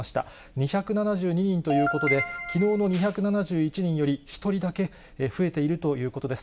２７２人ということで、きのうの２７１人より１人だけ増えているということです。